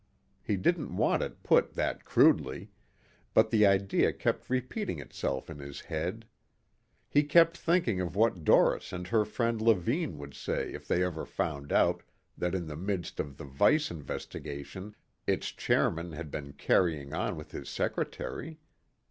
He didn't want it put that crudely. But the idea kept repeating itself in his head. He kept thinking of what Doris and her friend Levine would say if they ever found out that in the midst of the Vice Investigation, its chairman had been carrying on with his secretary.